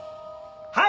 はい！